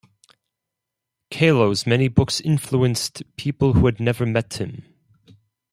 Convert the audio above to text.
Kalo's many books influenced people who had never met him.